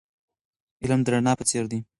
علم د رڼا په څېر دی.